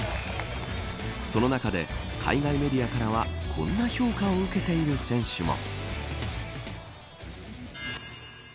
その中で海外メディアからはこんな評価を受けている選手も。